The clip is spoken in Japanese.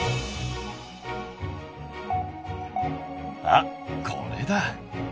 あっこれだ！